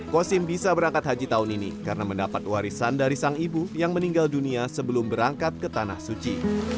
kosim bisa berangkat haji tahun ini karena mendapat warisan dari sang ibu yang meninggal dunia sebelum berangkat ke tanah suci